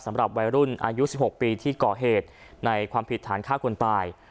สำหรับวัยรุ่นอายุ๑๖ปีที่ก่อเหตุในความผิดฐานฆ่าคนตาย